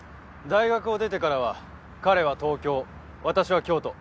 大学を出てからは彼は東京私は京都。